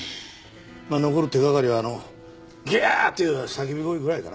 まあ残る手がかりはあの「ギャー！」っていう叫び声ぐらいかな。